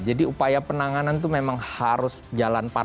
jadi upaya penanganan itu memang harus jalan ke depan